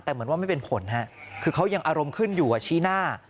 แต่เหมือนว่าไม่เป็นผลคือเขายังอารมณ์ขึ้นอยู่ชี้หน้า